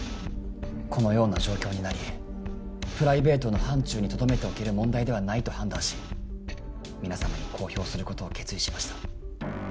このような状況になりプライベートの範疇にとどめておける問題ではないと判断し皆様に公表することを決意しました。